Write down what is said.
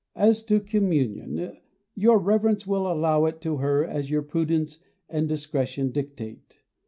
As to communion, your Reverence will allow it to her as your prudence and discretion dictate.